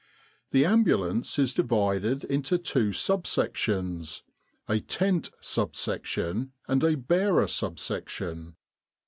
The Ambulance is divided into two sub sections a Tent Sub section, and a Bearer Sub sec tion.